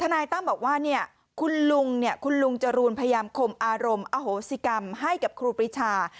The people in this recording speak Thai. ในตั้งบอกว่าคุณลุงจรูลพยายามขมอารมณ์อโษศิกรรมให้กับครูปริชา